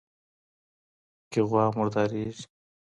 کي غوا مرداریږي